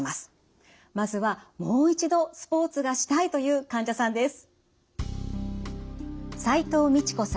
まずはもう一度スポーツがしたいという患者さんです。